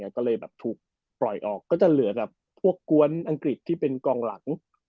ก็เลยแบบถูกปล่อยออกก็จะเหลือกับพวกกวนอังกฤษที่เป็นกองหลัง